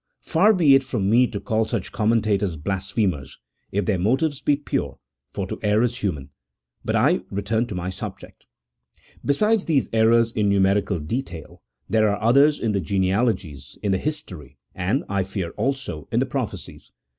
Far be it from me to call such commentators blasphe mers, if their motives be pure : for to err is human. But I return to my subject. Besides these errors in numerical details, there are others in the genealogies, in the history, and, I fear also in the prophecies.